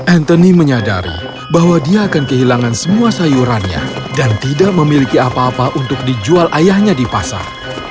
anthony menyadari bahwa dia akan kehilangan semua sayurannya dan tidak memiliki apa apa untuk dijual ayahnya di pasar